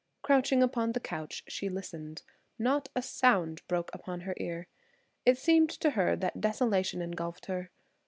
Crouching upon the couch, she listened. Not a sound broke upon her ear. It seemed to her that desolation engulfed her.